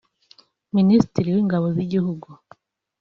Minisitiri w’ingabo z’igihugu